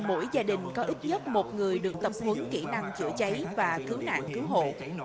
mỗi gia đình có ít nhất một người được tập huấn kỹ năng chữa cháy và cứu nạn cứu hộ